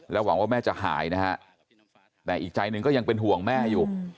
หวังว่าแม่จะหายนะฮะแต่อีกใจหนึ่งก็ยังเป็นห่วงแม่อยู่